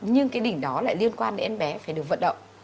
nhưng cái đỉnh đó lại liên quan đến em bé phải được vận động